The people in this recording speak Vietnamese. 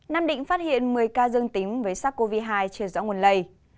nam định phát hiện một mươi ca dân tính với sars cov hai truyền dõi nguồn lầy